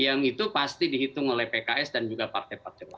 yang itu pasti dihitung oleh pks dan juga partai partai lain